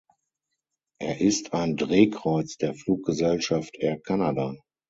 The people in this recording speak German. Er ist ein Drehkreuz der Fluggesellschaft Air Canada.